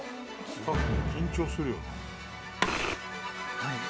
スタッフも緊張するよな。